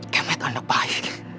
kemet anda baik